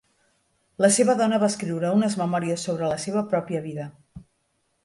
La seva dona va escriure unes memòries sobre la seva pròpia vida.